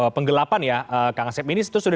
penggelapan ya kak ngasep ini itu sudah